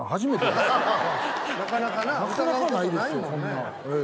なかなかないですよこんなん。